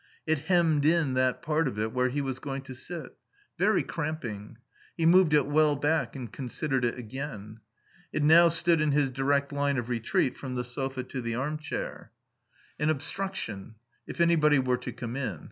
It hemmed in that part of it where he was going to sit. Very cramping. He moved it well back and considered it again. It now stood in his direct line of retreat from the sofa to the armchair. An obstruction. If anybody were to come in.